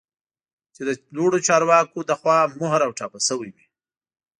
چې د لوړو چارواکو لخوا مهر او ټاپه شوی وي